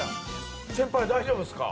先輩大丈夫っすか？